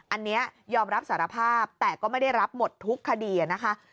อันนี้ยอมรับสารภาพแต่ก็ไม่ได้รับหมดทุกคดีนะคะ